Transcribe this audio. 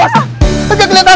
ok pak kelebihan pak